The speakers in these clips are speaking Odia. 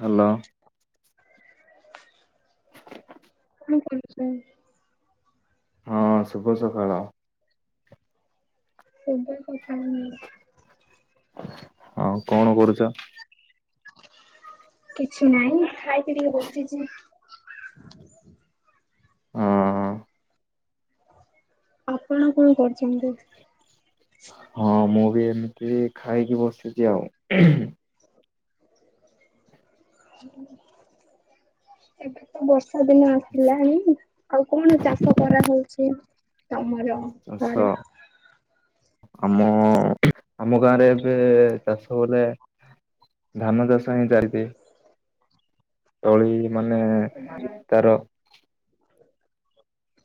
ହାଲୋ। କଣ କରୁଛ? ହଁ ଶୁଭ ସକାଳ। ସେଇଥିପାଇଁ କଥା ହଉନି। ହଁ କଣ କରୁଛ? କିଛି ନାହିଁ ଖାଇ ପି ଟିକେ ବସିଛି। [inaudible] ହଁ। ଆପଣ କଣ କରୁଛନ୍ତି? ହଁ ମୁଁ ବି ଏମିତି ଖାଇକି ବସିଛି ଆଉ। ଏବେ ତ ବର୍ଷା ଦିନ ଆସିଲାଣି। ଆଉ କଣ ଚାଷ କରା ହଉଛି ତମର ଚାଷ ଘରେ? ଆମ ଆମ ଗାଁ ରେ ଏବେ ଚାଷ ବଲେ ଧାନ ଚାଷ ପାଇଁ ଜାଡ଼ି ଦିଏ ତଳି ମାନେ ତାର।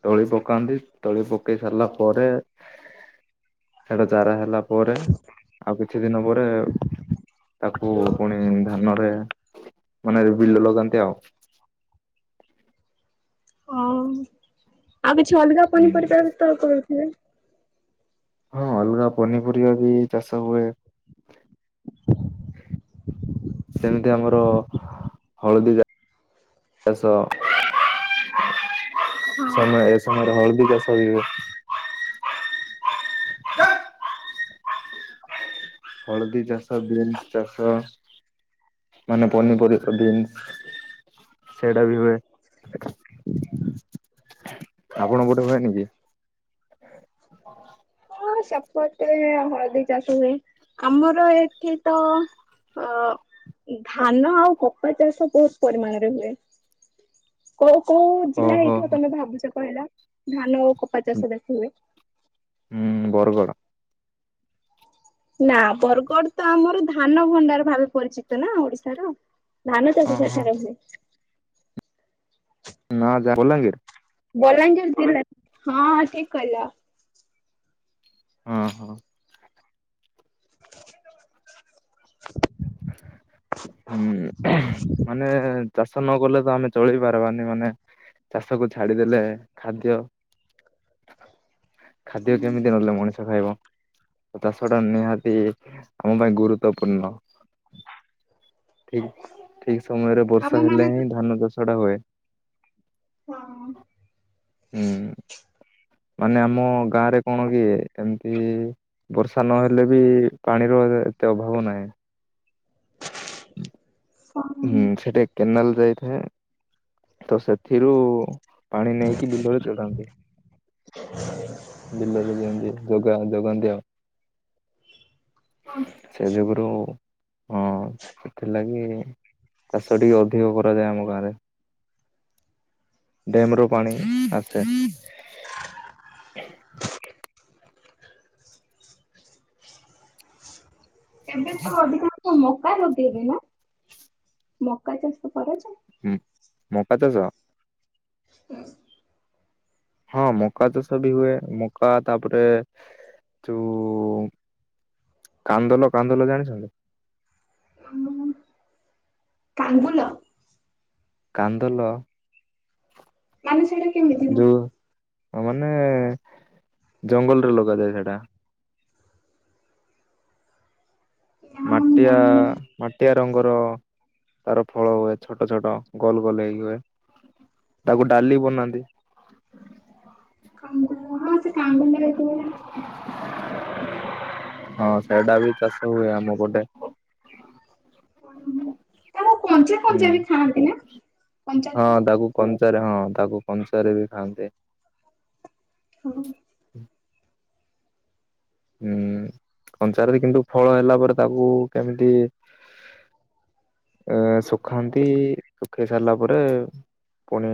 ତଳି ପକାନ୍ତି ତଳି ପକେଇ ସାରିଲା ପରେ ସେଟା ଜାରା ହେଲା ପରେ ଆଉ କିଛି ଦିନ ପରେ। ତାକୁ ପୁଣି ଧାନରେ। ମାନେ ବିଲ ଲଗାନ୍ତି ଆଉ। ହଁ ଆଉ କିଛି ଅଲଗା ହୁଁ ପନିପରିବାର ତ କରୁଥିଲେ। ହଁ ଅଲଗା ପନିପରିବା ବି ଚାଷ ହୁଏ। ସେମିତି ଆମର ହଳଦୀ ଚା ଚାଷ। ହଁ। ସମୟ ଏ ସମୟରେ ହଳଦୀ ଚାଷ ହୁଏ। ହଳଦୀ ଚାଷ ବିନ୍ସ ଚାଷ। ମାନେ ପନିପରିବା ବିନ୍ସ। ସେଇଟା ବି ହୁଏ। ଆପଣଙ୍କ ପଟେ ହୁଏନି କି। ହଁ ସେପଟେ ହଳଦୀ ଚାଷ ହୁଏ ଆମର ଏଠି ତ। ଅ [inaudible] ଧାନ ଆଉ କପା ଚାଷ ବହୁତ ପରିମାଣରେ ହୁଏ। [inaudible] କୋଉ କୋଉ ଜିଲ୍ଲା ଓହୋ ହେଇଥିବ ହୁଁ ତମେ ଭାବୁଛ କହିଲ? ଧାନ ଓ କପାଚଷ ଦେଖିବେ। ବରଗଡ଼। ନା ବରଗଡ ତ ଆମର ଧାନ ଭଣ୍ଡାର ଭାବେ ପରିଚିତ ନା ଓଡିଶାର। ଧାନଚ ଆ ଓହୋ ସେଠ କରେ। [inaudible] ନା ଯା ବଲାଙ୍ଗୀର। ବଲାଙ୍ଗିର ଜିଲ୍ଲା ହଁ ଠିକ କହିଲ। ହଁ ହଁ। ହୁଁ ମାନେ ଚାଷ ଚାଷ ନ କଲେ ତ ଆମେ ଚଳି ପାରିବାନି ମାନେ, ଚାଷକୁ ଛାଡିଦେଲେ ଖାଦ୍ୟ। ଖାଦ୍ୟ କେମିତି ନଲେ ମଣିଷ ଖାଇବ। ଚାଷ ଟା ନିହାତି ଆମ ପାଇଁ ଗୁରୁତ୍ୱପୂର୍ଣ୍ଣ। ଠିକ୍, ଠିକ୍ ସମୟରେ ଆମ ବର୍ଷା ମାନେ ହେଲେ ତ ହିଁ ଧାନ ଚାଷ। ଖଡ଼ ହୁଏ। ହୁଁ ହଁ ମାନେ ଆମ ଗାଁରେ କଣ ହୁଏ ଏମିତି ବର୍ଷା ନହେଲେ ବି ପାଣିର ରେ ଏତେ ଅଭାବ ନାହିଁ। ହୁଁ ସେଠି କେନାଲ ଯାଇଥାଏ ତ ସେଥିରୁ। ପାଣି ନେଇକି ବିଲରେ ଚଢାନ୍ତି ବିଲରେ ଦିଅନ୍ତି ଯୋଗା ଯୋଗାନ୍ତି। ଦିଅ ସେ ଯୁଗରୁ ହଁ ସେଥିଲାଗି। ଚାଷ ଟିକେ ଅଧିକ କରାଯାଏ ଆମ ଗାଁରେ। ଡ୍ୟାମ ରୁ ପାଣି ଆସେ। [inaudible] ଏବେ ତ ଅଧିକାଂଶ ମକା ଲଗେଇବେ ନା ମକା ଚାଷ କରାଯାଏ। ହୁଁ ମକାଚାଷ। ୟାସ୍। [inaudible] ହଁ ମକା ଚାଷ ବି ହୁଏ ମକା ତାପରେ ତୁ କାନ୍ଦଲ କାନ୍ଦଲ ଜାଣିଛନ୍ତି? ହୁଁ କାଙ୍ଗୁଲ। କାନ୍ଦଲ। ମାନେ ସେଟାକି? ଯଉ ମାନେ ଜଙ୍ଗଲରେ ଲଗାଯାଏ ସେଟା। ନା ମୁଁ ମାଟିଆ ଜାଣିନି। ମାଟିଆ ରଙ୍ଗର। ତାର ଫଳ ହୁଏ ଛୋଟ ଛୋଟ ଗୋଲ ଗୋଲ ହେଇକି ହୁଏ। ତାକୁ ଡାଲି ବନାନ୍ତି। କାଙ୍ଗୁଲ ହଁ ସେ କାଙ୍ଗୁଲ ହୋଇଥିବ। ହଁ ସେଟା ବି ଚାଷ ହୁଏ ଆମ ପଟେ। ହୁଁ ତାକୁ କଞ୍ଚା ହୁଁ କଞ୍ଚା ବି ଖାଆନ୍ତି ନା କଞ୍ଚା ହଁ ଥିବ ତାକୁ ହଁ। କଞ୍ଚାରେ ତାକୁ କଞ୍ଚାରେ ବି ଖାଆନ୍ତି। ହଁ ହୁଁ କଞ୍ଚାରାରେ କିନ୍ତୁ ଫଳ ହେଲା ପରେ ତାକୁ କେମିତି ଏ ଶୁ ଶୁଖାନ୍ତି ଶୁଖେଇ ସାରିଲା ପରେ ପୁଣି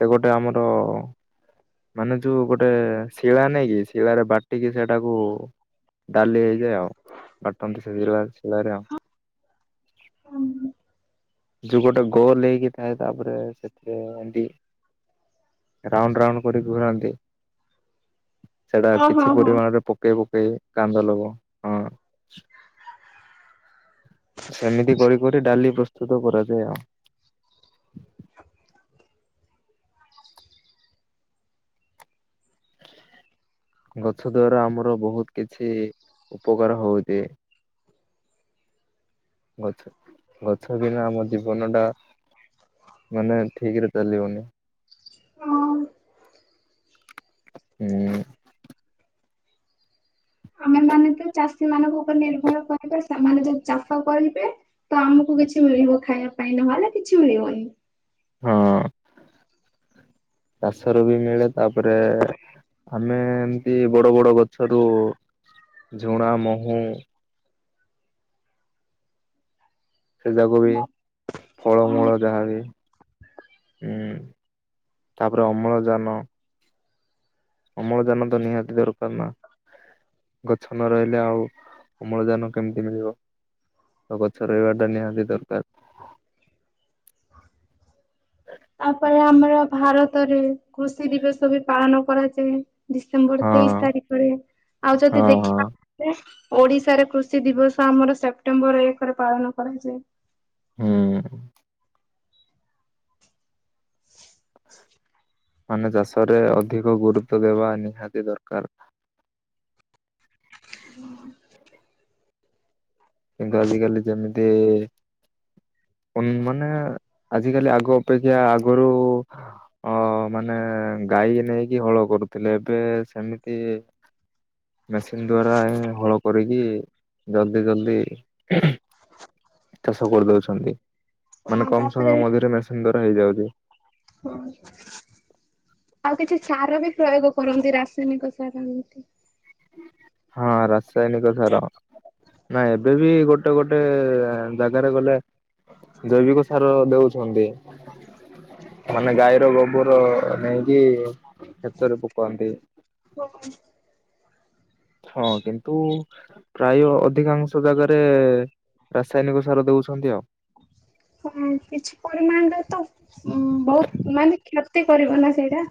ସେ ଗୋଟେ ଆମର ମାନେ ଯୋଉ ଗୋଟେ ଶିଳା ନାଇକି ଶିଳାରେ ବାଟିକି ସେଟାକୁ ଡାଲି ହେଇଯାଏ ଆଉ ବାଟନ୍ତି ସେ ଜିରୋ ଶିଳାରେ ଆଉ। [unintelligible] ଯୋଉ ଗୋଟେ ଗୋଲ ହେଇକି ଥାଏ ତାପରେ ସେଥିରେ ଏମିତି। ରାଉଣ୍ଡ ରାଉଣ୍ଡ କରି ଘୁରାନ୍ତି। ସେଇଟା ହଁ କିଛି ହଁ ପରିମାଣରେ ପକେଇ ପକେଇ କାନ୍ଦଲବ ହଁ। ସେମିତି କରି କରି ଡାଲି ପ୍ରସ୍ତୁତ କରାଯାଏ ଆଉ। [unintelligible] ଗଛ ଦ୍ଵାରା ଆମର ବହୁତ କିଛି ଉପକାର ହଉଚି। ଗଛ ଗଛ ବିନା ଆମ ଜୀବନ ଟା ମାନେ ଠିକ୍ ରେ ଚାଲିବନି। ହଁ। ହୁଁ। [unintelligible] ସେମାନେ ତ ଚାଷୀ ମାନଙ୍କ ଉପରେ ନିର୍ଭର କରିବେ ସେମାନେ ଯଦି ଚାଷ କରିବେ ତ ଆମକୁ କିଛି ମିଳିବ। ଖାଇବା ପାଇଁ ନହେଲେ କିଛି ମିଳିବନି। ହଁ ଚାଷର ବି ମିଳେ ତାପରେ ଆମେ ଏମତି ବଡ଼ ବଡ଼ ଗଛରୁ ଝୁଣା, ମହୁ ସେ ଯାକୁ ବି ହଁ ଫଳମୂଳ ଯାହାବି ଉଁ ତାପରେ ଅମ୍ଳଜାନ। ଅମ୍ଳଜାନ ତ ନିହାତି ଦରକାର ନା। ଗଛ ନ ରହିଲେ ଆଉ ଅମ୍ଳଜାନ କେମିତି ମିଳିବ। ତ ଗଛ ରହିବାଟା ନିହାତି ଦରକାର। ତାପରେ ଆମର ଭାରତରେ କୃଷି ଦିବସ ବି ପାଳନ କରାଯାଏ। ଡିସେମ୍ବର ହଁ ତେଇଶି ତାରିଖରେ ଆଉ ଯଦି ହଁ ହଁ ଦେଖିବାକୁ ଗଲେ ଓଡ଼ିଶାରେ କୃଷି ଦିବସ ଆମର ସେପ୍ଟେମ୍ବର ଏକରେ ପାଳନ କରାଯାଏ। ହୁଁ। ମାନେ ଚାଷରେ ଅଧିକ ଗୁରୁତ୍ୱ ଦେବା ନିହାତି ଦରକାର। ହ କିନ୍ତୁ ଆଜିିକାଲି ଯେମିତି ଉନ୍ ମାନେ ଆଜିକାଲି ଆଗ ଅପେକ୍ଷା ଆଗରୁ ଅ ମାନେ ଗାଈ ନେଇକି ହଳ କରୁଥିଲେ ଏବେ ସେମିତି ମେସିନ୍ ଦ୍ଵାରା ହଳ କରିକି ଜଲଦି ଜଲଦି ଚାଷ କରିଦଉଛନ୍ତି। ମାନେ ହଁ କମ୍ ତାପରେ ସମୟ ମଧ୍ୟରେ ମେସିନ୍ ଦ୍ଵାରା ହେଇଯାଉଛି। ଆଉ କିଛି ସାର ବି ପ୍ରୟୋଗ କରନ୍ତି ରାସାୟନିକ ସାର ଏମିତି। ହଁ ରାସାୟନିକ ସାର ନାଇଁ ଏବେ ଏବେ ବି ଗୋଟେ ଗୋଟେ ଜାଗାରେ ଗଲେ ଜୈବିକ ସାର ଦଉଛନ୍ତି। ମାନେ ଗାଈର ଗୋବର ନେଇକି କିଏ କ୍ଷେତରେ ପକାନ୍ତି। ହଁ କିନ୍ତୁ ପ୍ରାୟ ଅଧିକାଂଶ ଜାଗାରେ ରାସାୟନିକ ସାର ଦେଉଛନ୍ତି ଆଉ। ହଁ, କିଛି ପରିମାଣରେ ତ ଉଁ ବହୁତ ମାନେ କ୍ଷତି କରିବା ନା ସେଇଟା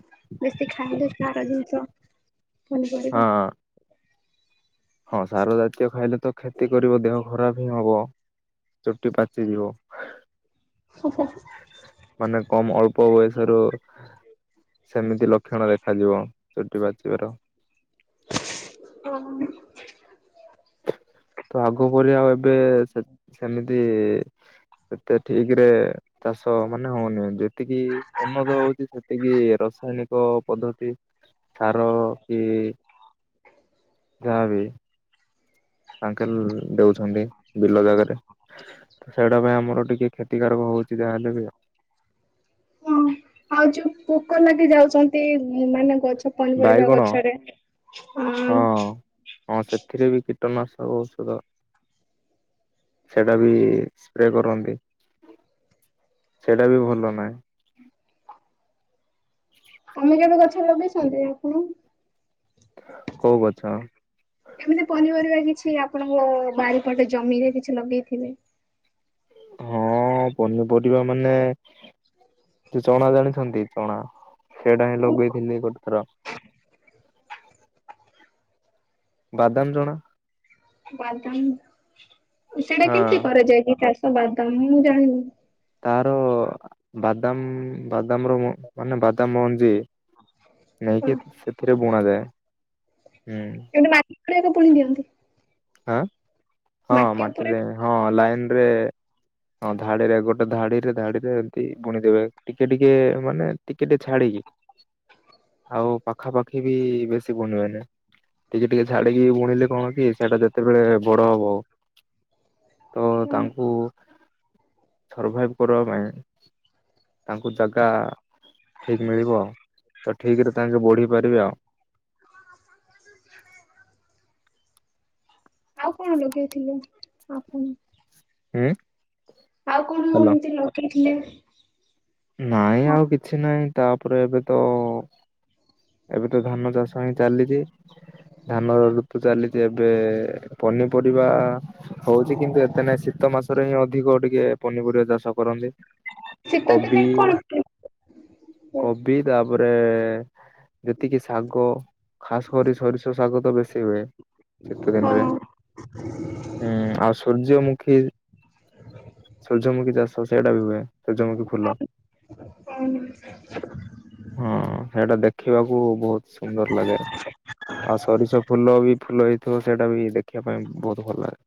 ବେଶୀ ଖାଇଲେ ସାର ଜିନିଷ। ପନିପରିବା ହଁ। ହଁ ସାର ଜାତୀୟ ଖାଇଲେ ତ କ୍ଷତି କରିବ ଦେହ ଖରାପ ହିଁ ହବ ଚୁଟି ପାଚିଯିବ। ହଁ ମାନେ କମ ଅଳ୍ପ ବୟସରୁ ସେମିତି ଲକ୍ଷଣ ଦେଖାଯିବ ଚୁଟି ପାଚିବାର। ଓହ। ତ ଆଗ ପରି ଆଉ ଏବେ ସେ ସେମିତି ସେତେ ଠିକ୍ ରେ ଚାଷ ମାନେ ହଉନି। ଯେତିକି ଉନ୍ନତ ହୋଉଛି ସେତିକି ରସାୟନିକ ପଦ୍ଧତି ସାର କି ଯାହା ବି। ଆଙ୍କେଲ ଦେଉଛନ୍ତି ବିଲ ଜାଗାରେ। ସେଇଟା ପାଇଁ ଆମର ଟିକେ କ୍ଷତିକାରକ ହୋଉଛି ଯାହାହେଲେ ବି ଆଉ। ହଁ, ଆଉ ଯୋଉ ପୋକ ଲାଗି ଯାଉଚନ୍ତି ଇ ମାନେ ଗଛ ପନିପରିବା ବାଇଗଣ ଗଛରେ ଆ-ଆ ହଁ ହଁ, ସେଥିରେ ବି କୀଟନାଶକ ଔଷଧ ସେଟା ବି ସ୍ପ୍ରେ କରନ୍ତି। ସେଟା ବି ଭଲ ନାହିଁ। ତମେ କେବେ ଗଛ ଲଗେଇଛନ୍ତି ଆପଣ? କୋଉ ଗଛ? ଏମିତି ପନିପରିବା କିଛି, ଆପଣଙ୍କ ବାରିପଟେ ଜମିରେ କିଛି ଲଗେଇଥିବେ? ହଁ, ପନିପରିବା ମାନେ ଯୋଉ ଚଣା ଜାଣିଛନ୍ତି, ଚଣା! ସେଟା ହିଁ କୋଉ ଲଗେଇଥିଲି। ଗୋଟେ ଥର। ବାଦାମ ଜଣା। ବାଦାମ! ସେଇଟା ହଁ କେମତି କରାଯାଏ କି ଚାଷ? ବାଦାମ ମୁଁ ଜାଣିନି। ତାର-ଅ ବାଦାମ-ଅ ବାଦାମର ମାନେ ବାଦାମ ମଞ୍ଜି ହଁ ନେଇକି, ସେଥିରେ ବୁଣ ଯାଏ। ହୁଁ। କାଏଁ ଏତେ ପୁଣି ଦିଅନ୍ତି? ହାଁ, ହଁ! ମାଟି ଉପରେ ମାଟିରେ ହଁ, ଲାଇନ ରେ ହଁ ଧାଡିରେ, ଗୋଟେ ଧାଡିରେ ଧାଡିରେ। ଏମିତି ବୁଣିଦେବେ। ଟିକେ ଟିକେ, ମାନେ ଟିକେ ଟିକେ ଛାଡିକି ଆଉ, ପାଖାପାଖି ବି ବେଶୀ ବୁଣି ବେନି। ଟିକେ ଟିକେ ଛାଡିକି ବୁଣିଲେ କଣ କି! ସେଇଟା ଯେ କେତେବେଳେ ବଡ ହବ, ତ ହଁ। ତାଙ୍କୁ ସର୍ଭାଇଭ କରିବା ପାଇଁ, ତାଙ୍କୁ ଜାଗା ଠିକ୍ ମିଳିବ। ତ ଠିକ୍ ରେ ତାଙ୍କେ ବଢି ପାରିବେ ଆଉ। [inaudible] ଆଉ କଣ ଲଗେଇଥିଲ? ଆପଣ। ହୁଁ। ଆଉ କଣ ହ୍ୟାଲୋ ଏମତି ଲଗେଇଥିଲେ? ନାଇଁ ହଁ, ଆଉ, କିଛି ନାହିଁ। ତାପରେ ଏବେ ତ ଏବେ ତ ଧାନ ଚାଷ ହିଁ ଚାଲିଛି। ଧାନର ଋତୁ ଚାଲିଛି, ଏବେ ପନିପରିବା ହଉଛି, କିନ୍ତୁ ଏତେ ନାଇଁ। ଶୀତ ମାସରେ ହିଁ ଅଧିକ ଟିକେ ପନିପରିବା ଚାଷ କରନ୍ତି। ଶୀତ ଦିନେ କବି, କଣ ହୁଏ? ହଁ। କବି ତାପରେ ଯେତିକି ଶାଗ, ଖାସ କରି ସରିଷ ଶାଗ ତ ବେଶୀ ହୁଏ। ଶୀତ ଦିନରେ। ହଁ, ହୁଁ, ଆଉ ସୂର୍ଯ୍ୟ ମୁୁଖ୍ ଖୀ, ସୂର୍ଯ୍ୟମୁଖୀ ଚାଷ ସେଇଟା ବି ହୁଏ। ସୂର୍ଯ୍ୟମୁଖୀ ଫୁଲ। ହଁ, ହେଟା ଦେଖ୍ ଦେଖିବାକୁ ବହୁତ ସୁନ୍ଦର ଲାଗେ। ଆଉ ସରିଷ ଫୁଲ ବି ଫୁଲ ହେଇଥିବ, ସେଇଟା ବି ଦେଖିବା ପାଇଁ ବହୁତ ଭଲ ଲାଗେ।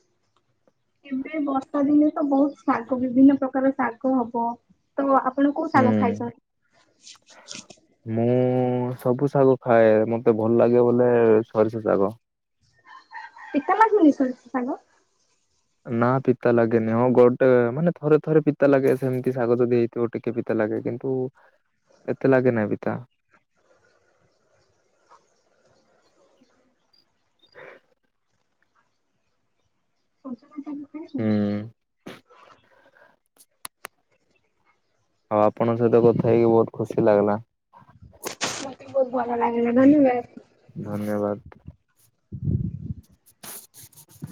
[inaudible] ଏବେ ବର୍ଷା ଦିନେ ତ ବହୁତ ଶାଗ, ବିଭିନ୍ନ ପ୍ରକାର ଶାଗ ହବ। ତ ଆପ୍ ଆପଣ କୋଉ ସାଙ୍ଗ ହୁଁ ଖାଇଛନ୍ତି? ମୁଁ ସବୁ ଶାଗ ଖାଏ। ମତେ ଭଲ ଲାଗେ ବଲେ ସୋରିଷ ଶାଗ। ପିତା ଲାଗୁନି ସୋରିଷଶାଗ? ନା ପିତା ଲାଗେନି। ହଁ, ଗୋଟେ ମାନେ ଥରେ ଥରେ ପିତା ଲାଗେ। ସେମିତି ଶାଗ ଯଦି ହେଇଥିବ, ଟିକେ ପିତା ଲାଗେ। ଲାଗେ, କିନ୍ତୁ ଏତେ ଲାଗେ ନାଇଁ ପିତା। [inaudible] ସଜା ହୁଁ। ଆଉ ଆପଣଙ୍କ ସହିତ କଥା ହେଇକି, ବହୁତ ଖୁସି ଲାଗିଲା। ମତେ ବହୁତ ଭଲ ଲାଗିଲା ହୁ, ଧନ୍ୟବାଦ। ଧନ୍ୟବାଦ। [inaudible]